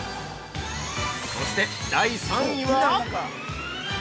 ◆そして第３位は？